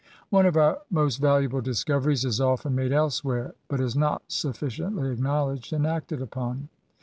One of our most valuable discoveries is often made elsewhere, but is not sufficiently acknow ledged and acted upon.